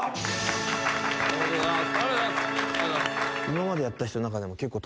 今までやった人の中でも結構。